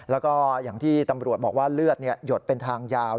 แล้วก็อย่างที่ตำรวจบอกว่าเลือดหยดเป็นทางยาว